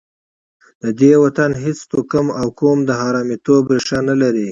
د دې وطن هېڅ توکم او قوم د حرامیتوب ریښه نه لري.